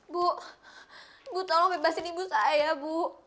bu bu tolong bebasin ibu saya bu